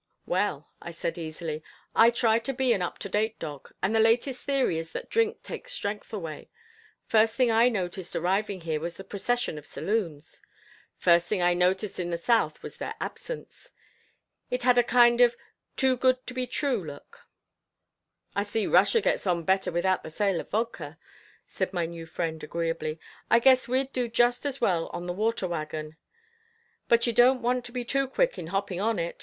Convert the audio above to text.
"Well," I said easily, "I try to be an up to date dog, and the latest theory is that drink takes strength away. First thing I noticed arriving here was the procession of saloons. First thing I noticed in the South was their absence. It had a kind of too good to be true look." "I see Russia gets on better without the sale of vodka," said my new friend agreeably. "I guess we'd do just as well on the water wagon, but you don't want to be too quick in hopping on it.